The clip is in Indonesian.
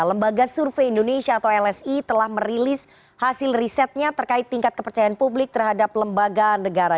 lembaga survei indonesia atau lsi telah merilis hasil risetnya terkait tingkat kepercayaan publik terhadap lembaga negara